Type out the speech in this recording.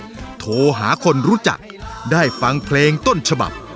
โทรหาคนรู้จักได้ฟังเพลงต้นฉบับ